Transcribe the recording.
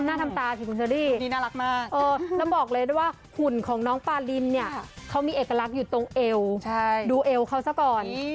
น้องต้องบอกเลยว่าหุ่นของของน้องปลารินเนี่ยเขามีเอกลักษณ์อยู่ตรงเอวดูเอวเค้าซะก่อน